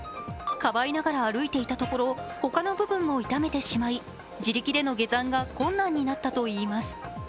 かばいながら歩いていたところ、他の部分も痛めてしまい自力での下山が困難になったといいます。